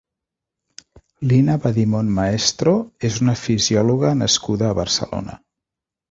Lina Badimon Maestro és una fisiòloga nascuda a Barcelona.